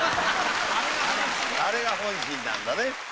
あれが本心なんだね。